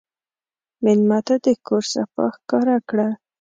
مېلمه ته د کور صفا ښکاره کړه.